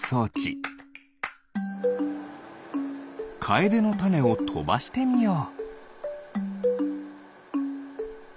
カエデのタネをとばしてみよう。